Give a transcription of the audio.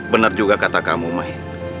benar juga kata kamu mai